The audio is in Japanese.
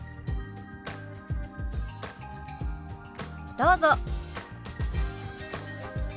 どうぞ。